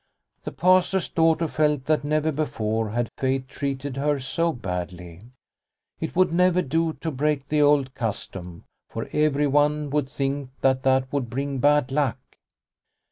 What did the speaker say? The Pastor's daughter felt that never before had fate treated her so badly. It would never do to break the old custom, for everyone would think that would bring bad luck.